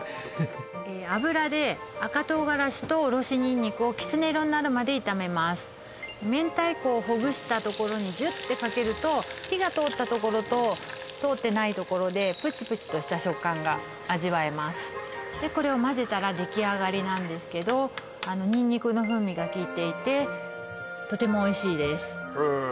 油で赤唐辛子とおろしニンニクをきつね色になるまで炒めます明太子をほぐしたところにジュッてかけると火がとおったところととおってないところでプチプチとした食感が味わえますでこれをまぜたらできあがりなんですけどニンニクの風味がきいていてとてもおいしいですへえ